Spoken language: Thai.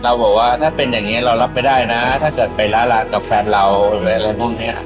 บอกว่าถ้าเป็นอย่างนี้เรารับไม่ได้นะถ้าจะไปละลากับแฟนเราหรืออะไรพวกนี้